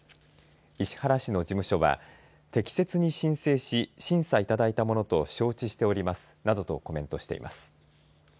石原氏の事務所は適切に申請し審査いただいたものと承知しておりますなどとコメントしています。